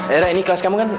era ini kelas kamu kan